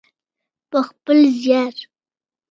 په خپل زیار.